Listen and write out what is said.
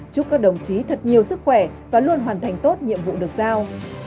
chúc các đồng chí thật nhiều sức khỏe và luôn hoàn thành tốt nhiệm vụ được giao